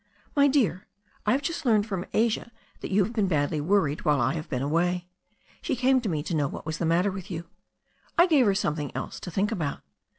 "My dear, I have just learned from Asia that you have been badly worried while I have been away. She came to me to know what the matter was. I gave her something else to think about.